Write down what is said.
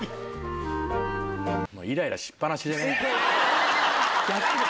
イライラしっぱなしでね。